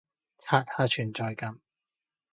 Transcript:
刷下存在感